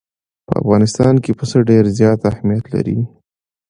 په افغانستان کې پسه ډېر زیات اهمیت لري.